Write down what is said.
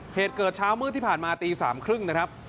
เหตุเกิดเช้ามืดที่ผ่านมาตี๓๓๐นะครับ